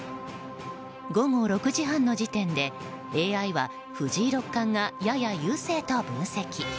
午後６時半の時点でＡＩは藤井六冠がやや優勢と分析。